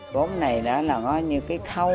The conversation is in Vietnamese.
gốm này là như cái khâu